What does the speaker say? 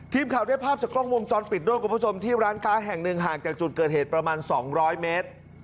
ทีมข่าวได้ภาพจากกล้องวงจรปิดด้วยคุณผู้ชมที่ร้านค้าแห่งหนึ่งห่างจากจุดเกิดเหตุประมาณ๒๐๐เมตร